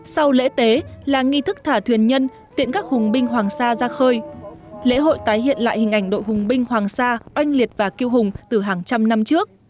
sau lễ tế là nghi thức thả thuyền nhân tiện các hùng binh hoàng sa ra khơi lễ hội tái hiện lại hình ảnh đội hùng binh hoàng sa oanh liệt và kiêu hùng từ hàng trăm năm trước